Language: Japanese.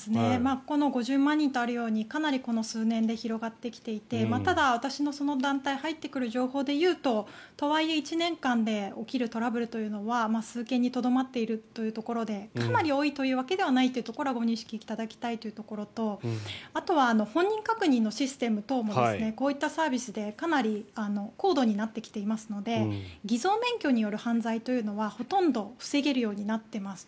ここの、５０万人とあるようにかなりこの数年で広がってきていてただ私の団体入ってくる情報で言うととはいえ、１年間で起きるトラブルというのは数件にとどまっているというところでかなり多いというわけではないというのは認識していただきたいというところとあと本人確認等のシステムもこういったサービスでかなり高度になってきていますので偽造免許による犯罪というのはほとんど防げるようになっていますと。